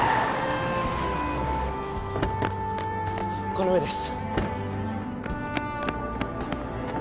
この上です。